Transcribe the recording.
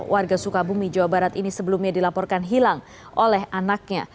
warga sukabumi jawa barat ini sebelumnya dilaporkan hilang oleh anaknya